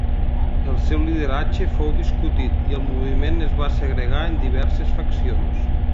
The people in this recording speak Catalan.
El seu lideratge fou discutit, i el moviment es va segregar en diverses faccions.